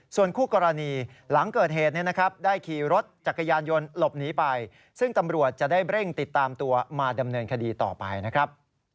ส่วนคู่กรณีหลังเกิดเหตุได้ขี่รถจักรยานยนต์หลบหนีไปซึ่งตำรวจจะได้เร่งติดตามตัวมาดำเนินคดีต่อไปนะครับ